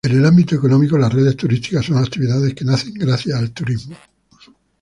En el ámbito económico, las redes turísticas son actividades que nacen gracias al turismo.